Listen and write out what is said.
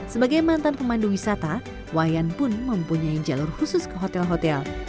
sebagai mantan pemandu wisata wayan pun mempunyai jalur khusus ke hotel hotel